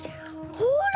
ほら！